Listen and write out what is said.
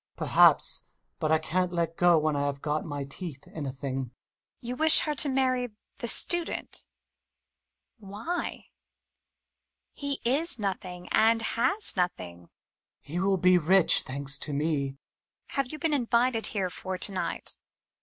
Perhaps but I can't let go when I have got my teeth in a thing Mummy. You wish to marry her to the Student? Why? He is nothing and has nothing. Hummel. He will be rich, thanks to me. Mummy. Have you been invited for to night?